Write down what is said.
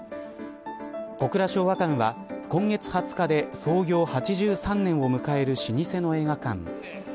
小倉昭和館は今月２０日で創業８３年を迎える老舗の映画館。